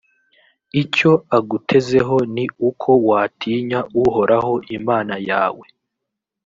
icyo agutezeho ni uko watinya uhoraho imana yawe,